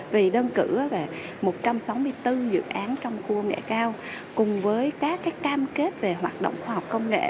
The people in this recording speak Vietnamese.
vì đơn cử về một trăm sáu mươi bốn dự án trong khu công nghệ cao cùng với các cam kết về hoạt động khoa học công nghệ